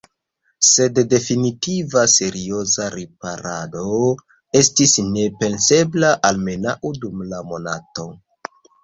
Sed definitiva, serioza riparado estis nepensebla, almenaŭ dum la monato.